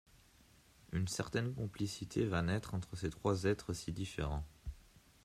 Une certaine complicité va naître entre ces trois êtres si différents.